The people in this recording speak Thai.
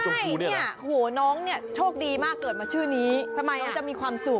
ไม่น้องเนี่ยโชคดีมากเกิดมาชื่อนี้น้องจะมีความสุข